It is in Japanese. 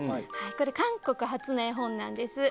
これは韓国発の絵本なんです。